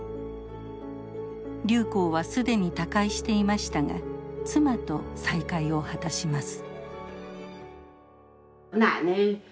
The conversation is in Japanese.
劉好は既に他界していましたが妻と再会を果たします。